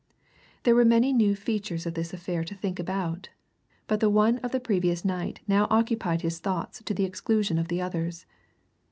There were many new features of this affair to think about, but the one of the previous night now occupied his thoughts to the exclusion of the others.